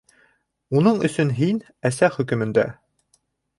Уның өсөн һин - әсә хөкөмөндә.